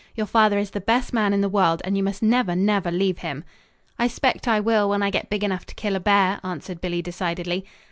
"Your father is the best man in the world, and you must never, never leave him." "I 'spect I will, when I get big enough to kill a bear," answered Billy decidedly.